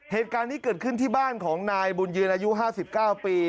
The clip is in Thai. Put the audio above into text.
เหตุการณ์นี้เกิดขึ้นที่บ้านของนายบุญยืนอายุ๕๙ปี